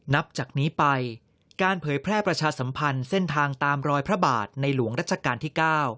นับจากนี้ไปการเผยแพร่ประชาสัมพันธ์เส้นทางตามรอยพระบาทในหลวงรัชกาลที่๙